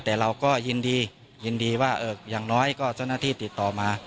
แต่เราก็ยินดียินดีว่าอย่างน้อยก็เจ้าหน้าที่ติดต่อมา